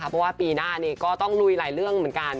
เพราะว่าปีหน้านี้ก็ต้องลุยหลายเรื่องเหมือนกัน